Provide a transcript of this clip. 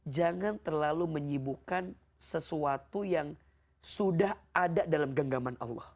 jangan lupa atas tarian mu